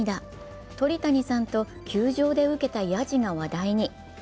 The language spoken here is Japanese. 鳥谷さんと球場で受けたやじが話題に。